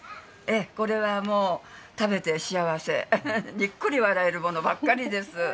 これはもう、食べて幸せ、にっこり笑えるものばかりです。